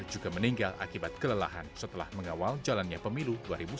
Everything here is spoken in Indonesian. juga meninggal akibat kelelahan setelah mengawal jalannya pemilu dua ribu sembilan belas